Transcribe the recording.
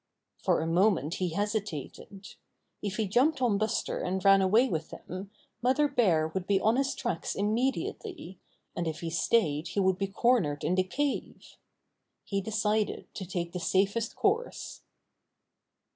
For a moment he hesitated. If he jumped on Buster and ran away with him, Mother Bear would be on his tracks immediately, and if he stayed he would be cornered in the cave. He decided to take the safest course.